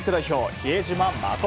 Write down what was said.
比江島慎。